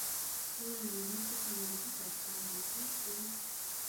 ټوله نړۍ کم نفوسه ښکاري پوه شوې!.